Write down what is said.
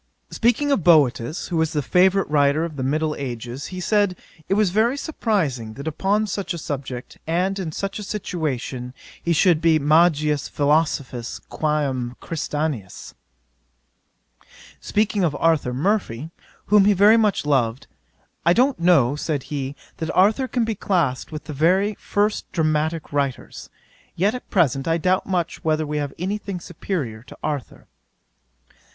'Speaking of Boetius, who was the favourite writer of the middle ages, he said it was very surprizing, that upon such a subject, and in such a situation, he should be magis philosophius quÃ m Christianus. 'Speaking of Arthur Murphy, whom he very much loved, "I don't know (said he,) that Arthur can be classed with the very first dramatick writers; yet at present I doubt much whether we have any thing superiour to Arthur."